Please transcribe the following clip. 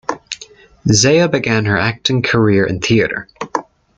Zea began her acting career in theatre.